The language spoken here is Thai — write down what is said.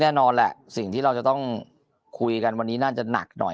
แน่นอนแหละสิ่งที่เราจะต้องคุยกันวันนี้น่าจะหนักหน่อย